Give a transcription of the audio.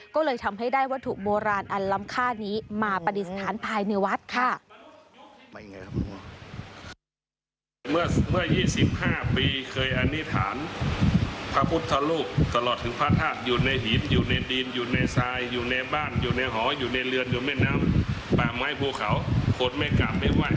ก็เลยทำให้ได้วัตถุโบราณอันล้ำค่านี้มาปฏิสถานภายในวัดค่ะ